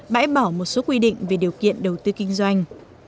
bãi bỏ một số quy định về điều kiện đầu tư kinh doanh